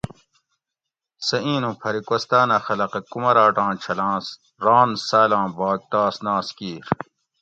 سہ اِیں نوں پھری کوستاۤنہ خلقہ کُمراٹاں چھلاں ران ساۤلاں بھاگ تاس ناس کِیر